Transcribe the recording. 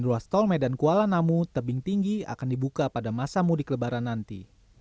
dan ruas tol medan kuala namu tebing tinggi akan dibuka pada masa mudik lebaran nanti